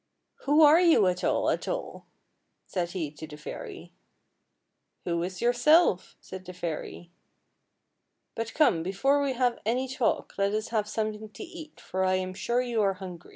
" Who are you at all, at all? " said he to the fairy. " Who is yourself? " said the fairy. " But come, before we have any talk let us have some thing to eat, for I am sure you are hungry.'